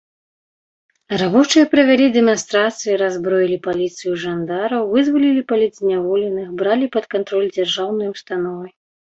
Рабочыя правялі дэманстрацыі, раззброілі паліцыю і жандараў, вызвалілі палітзняволеных, бралі пад кантроль дзяржаўныя ўстановы.